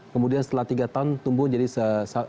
kemudian setelah tiga tahun tumbuh jadi